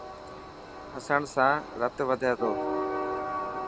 هسڻ سان رت وڌي تو.